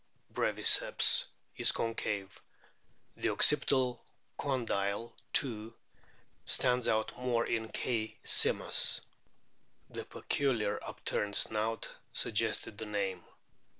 breviceps is concave ; the occipital condyle too stands out more in K. simus. The peculiar upturned snout suggested the name.